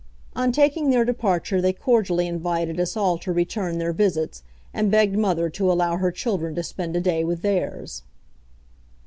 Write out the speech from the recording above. On taking their departure they cordially invited us all to return their visits, and begged mother to allow her children to spend a day with theirs.